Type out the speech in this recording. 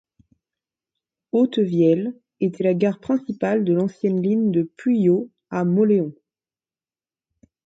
Autevielle était la gare principale de l'ancienne ligne de Puyoô à Mauléon.